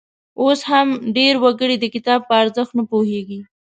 اوس هم ډېر وګړي د کتاب په ارزښت نه پوهیږي.